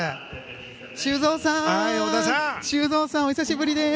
修造さん！お久しぶりです！